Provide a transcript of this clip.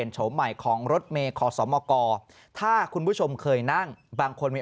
โฉมใหม่ของรถเมย์ขอสมกถ้าคุณผู้ชมเคยนั่งบางคนมี